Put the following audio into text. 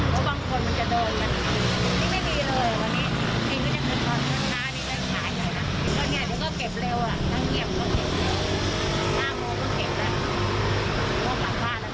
ขอบคุณค่ะและขอบคุณค่ะ